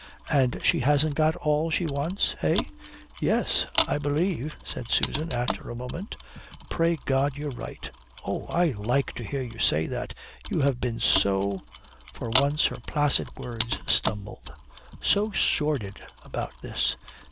"And she hasn't got all she wants, eh?" "Yes, I believe," said Susan, after a moment. "Pray God you're right." "Oh. I like to hear you say that. You have been so" for once her placid words stumbled "so sordid about this."